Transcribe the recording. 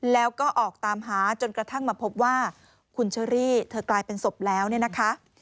แล้วก็ออกตามหาจนกระทั่งมาพบว่าคุณเชอรี่เธอกลายเป็นศพแล้วเนี่ยนะคะ